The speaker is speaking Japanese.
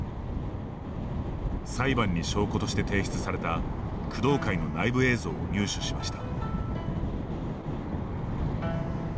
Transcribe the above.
裁判に証拠として提出された工藤会の内部映像を入手しました。